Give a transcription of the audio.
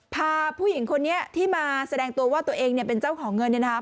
พาผู้หญิงคนนี้ที่มาแสดงตัวว่าตัวเองเนี่ยเป็นเจ้าของเงินเนี่ยนะครับ